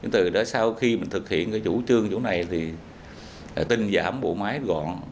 từ đó sau khi mình thực hiện cái chủ trương chỗ này thì tinh giảm bộ máy gọn